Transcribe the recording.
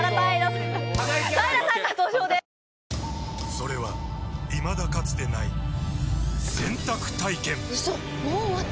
それはいまだかつてない洗濯体験‼うそっ！